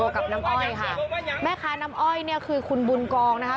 กับน้ำอ้อยค่ะแม่ค้าน้ำอ้อยเนี่ยคือคุณบุญกองนะคะ